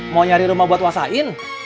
mau nyari rumah buat kuasain